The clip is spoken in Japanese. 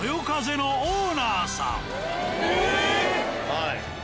はい。